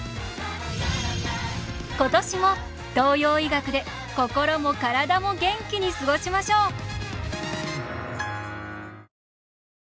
今年も東洋医学で心も体も元気に過ごしましょう！